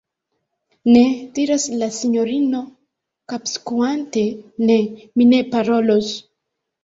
Ne! diras la sinjorino, kapskuante, Ne! mi ne parolos!